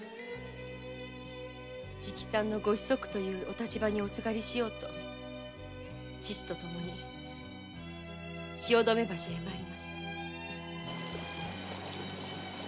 直参のご子息というお立場におすがりしようと父とともに汐留橋に参りました。